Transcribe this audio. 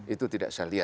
itu tidak saya lihat